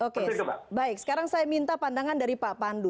oke baik sekarang saya minta pandangan dari pak pandu